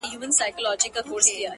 • مُلا سړی سو، اوس پر لاره د آدم راغلی،